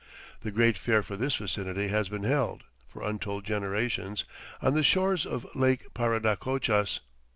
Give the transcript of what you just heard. The great fair for this vicinity has been held, for untold generations, on the shores of Lake Parinacochas.